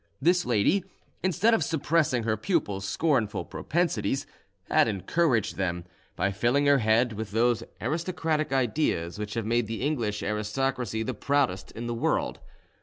This lady, instead of suppressing her pupil's scornful propensities, had encouraged them, by filling her head with those aristocratic ideas which have made the English aristocracy the proudest in the world.